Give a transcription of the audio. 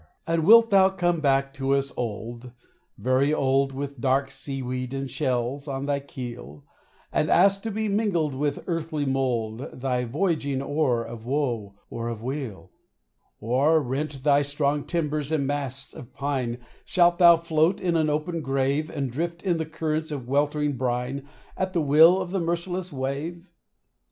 And wilt thou come back to us old, very old, With dark sea weed and shells on thy keel, And ask to be mingled with earthly mold, Thy voyaging o'er of woe or of weal? Or, rent thy strong timbers and masts of pine, Shalt thou float in an open grave, And drift in the currents of weltering brine At the will of the merciless wave ?